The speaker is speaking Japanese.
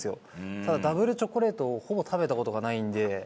ただダブルチョコレートをほぼ食べた事がないんで。